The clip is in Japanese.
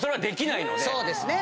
そうですね。